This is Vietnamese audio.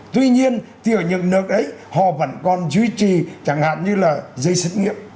tuy nhiên thì ở những nước ấy họ vẫn còn duy trì chẳng hạn như là dây xét nghiệm